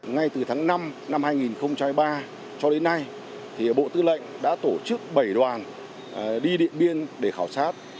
ngay từ tháng năm năm hai nghìn hai mươi ba cho đến nay bộ tư lệnh đã tổ chức bảy đoàn đi điện biên để khảo sát